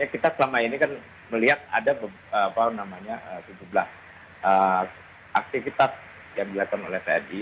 kita selama ini kan melihat ada tujuh belas aktivitas yang dilakukan oleh tni